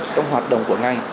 trong hoạt động của ngành